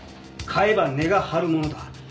買えば値が張るものだ。